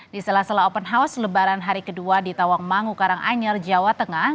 di sela sela open house lebaran hari kedua di tawangmangu karanganyar jawa tengah